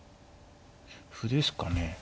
歩ですかね。